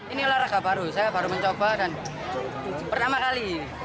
ini olahraga baru saya baru mencoba dan pertama kali